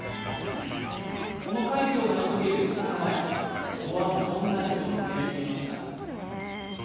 この快挙を成し遂げる４日前思わぬ困難に直面してました。